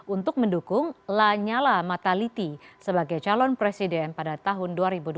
untuk mendukung lanyala mataliti sebagai calon presiden pada tahun dua ribu dua puluh